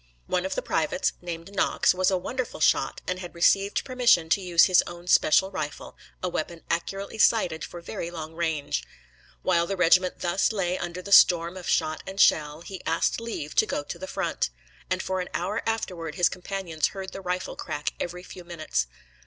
One of the privates, named Knox, was a wonderful shot, and had received permission to use his own special rifle, a weapon accurately sighted for very long range. While the regiment thus lay under the storm of shot and shell, he asked leave to go to the front; and for an hour afterward his companions heard his rifle crack every few minutes.